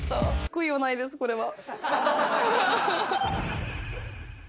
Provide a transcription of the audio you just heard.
悔いはないです、これは。